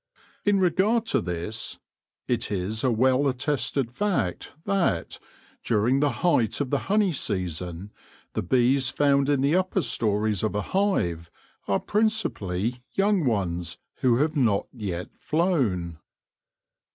In regard to this, it is a well attested fact that, during the height of the honey season, the bees found in the upper stories of a hive are principally young ones who have not yet flown.